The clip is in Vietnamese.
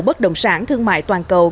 bất động sản thương mại toàn cầu